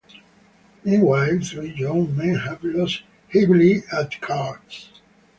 Meanwhile, three young men have lost heavily at cards.